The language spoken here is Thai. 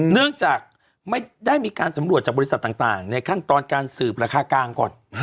เนื่องจากไม่ได้มีการสำรวจจากบริษัทต่างในขั้นตอนการสืบราคากลางก่อน